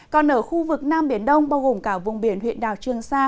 còn ở khu vực nam biển đông bao gồm cả vùng biển huyện đảo trương sa